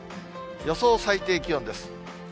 予想最低気温です。